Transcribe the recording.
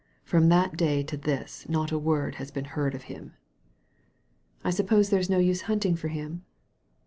From that day to this not a word has been heard of him.*' I suppose there is no use hunting for him